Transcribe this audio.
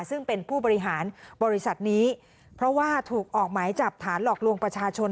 ซึ่งเป็นผู้บริหารบริษัทนี้เพราะว่าถูกออกหมายจับฐานหลอกลวงประชาชน